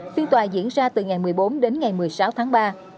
phiên tòa diễn ra từ ngày một mươi bốn đến ngày một mươi sáu tháng ba